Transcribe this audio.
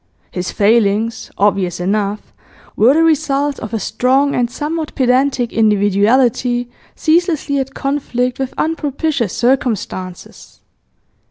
His failings, obvious enough, were the results of a strong and somewhat pedantic individuality ceaselessly at conflict with unpropitious circumstances.